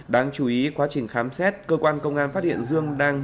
đáng chú ý quá trình khám xét cơ quan công an phát hiện dương đang